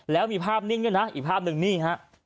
แล้วมีภาพนิ่งด้วยนะอีกภาพหนึ่งนี่ฮะ